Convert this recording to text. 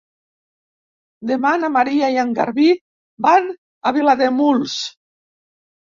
Demà na Maria i en Garbí van a Vilademuls.